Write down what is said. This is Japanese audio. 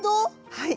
はい。